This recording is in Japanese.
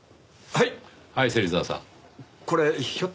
はい。